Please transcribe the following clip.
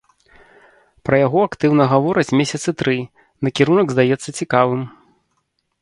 Пра яго актыўна гавораць месяцы тры, накірунак здаецца цікавым.